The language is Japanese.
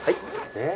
えっ？